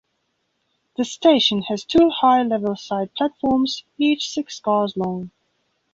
This station has two high-level side platforms each six cars long.